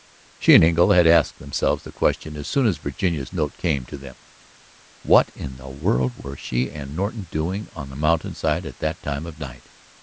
She and Engle had asked themselves the question as soon as Virginia's note came to them: "What in the world were she and Norton doing on the mountainside at that time of night?"